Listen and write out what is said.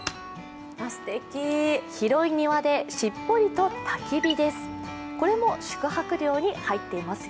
広い庭でしっぽりとたき火です。